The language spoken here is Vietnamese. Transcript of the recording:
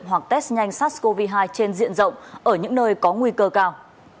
hoặc test nhanh sars cov hai trên diện rộng ở những nơi có nguy cơ cao